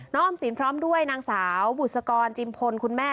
ออมสินพร้อมด้วยนางสาวบุษกรจิมพลคุณแม่